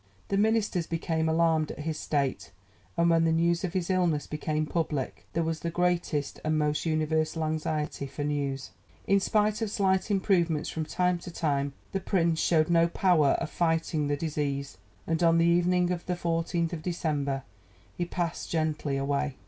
The Ministers became alarmed at his state, and when the news of his illness became public there was the greatest and most universal anxiety for news. In spite of slight improvements from time to time, the Prince showed no power of fighting the disease, and on the evening of the 14th December he passed gently away.